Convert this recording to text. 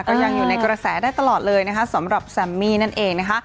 ก็ยังอยู่ในกระแสได้ตลอดเลยนะคะสำหรับแซมมี่นั่นเองนะคะ